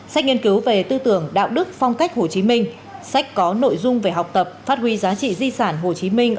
sách nghiên cứu về tư tưởng đạo đức phong cách hồ chí minh sách có nội dung về học tập phát huy giá trị di sản hồ chí minh